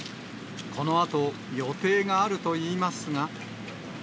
このあと予定があるといいますが。